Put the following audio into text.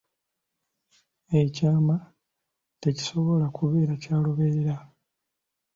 Ekyama tekisobola kubeera kya lubeerera.